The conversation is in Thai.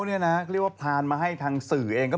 เพราะว่าตอนนี้ก็ไม่มีใครไปข่มครูฆ่า